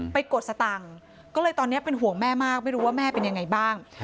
กดสตังค์ก็เลยตอนนี้เป็นห่วงแม่มากไม่รู้ว่าแม่เป็นยังไงบ้าง